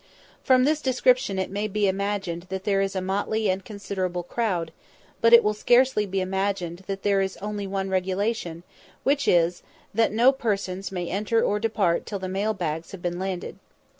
From this description it may be imagined that there is a motley and considerable crowd; but it will scarcely be imagined that there is only one regulation, which is, that no persons may enter or depart till the mail bags have been landed.